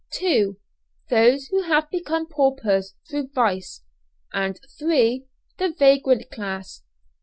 (2) Those who have become paupers through vice; and (3) The vagrant class.